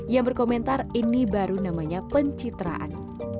yang berkomentar ini baru namanya pencitraan